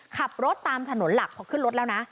ขับรถตามถนนหลักพอขึ้นรถแล้วนะ